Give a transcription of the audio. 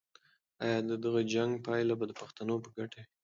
آیا د دغه جنګ پایله به د پښتنو په ګټه وي؟